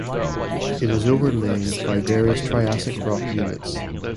It is overlain by various Triassic rock units.